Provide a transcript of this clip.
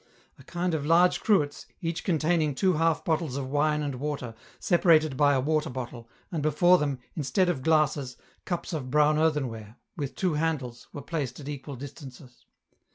A kind of large cruets, each containing two half bottles of wme and water, separated by a water bottle, and before them, instead of glasses, cups of brown earthenware, with two handles, were placed at equal distances.